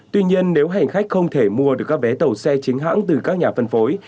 tuy nhiên nếu hành khách không thể mua được các vé tàu xe chính hãng từ các nhà phân phối